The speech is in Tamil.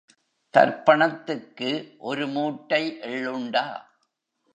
தர்ப்பணத்துக்கு ஒரு மூட்டை எள்ளுண்டா?